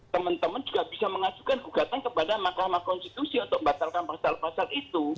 teman teman juga bisa mengajukan gugatan kepada mahkamah konstitusi untuk membatalkan pasal pasal itu